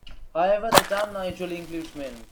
However, the term now usually includes men.